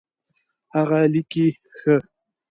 هغه لیکي ښه